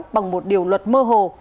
bằng một điều luật mơ hồ